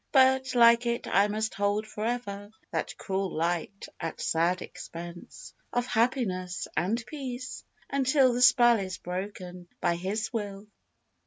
But like it, I must hold for ever That cruel light, at sad expense Of happiness and peace, until The spell is broken by his will